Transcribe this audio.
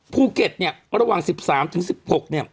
ภูเก็ตเนี่ยระหว่าง๑๓๑๖เนี่ย